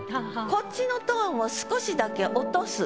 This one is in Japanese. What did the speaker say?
こっちのトーンを少しだけ落とす。